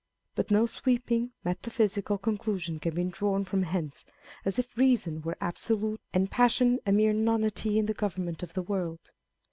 But no sweeping, metaphysical conclusion can be drawn from hence, as if reason were absolute, and passion a mere nonenity in the government of the world.